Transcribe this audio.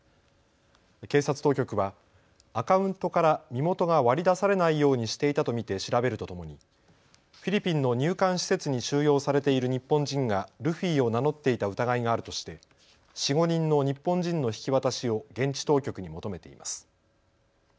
警察当局はアカウントから身元が割り出されないようにしていたと見て調べるとともにフィリピンの入管施設に収容されている日本人がルフィを名乗っていた疑いがあるとして４、５人の日本人の引き渡しを現地当局に求めています。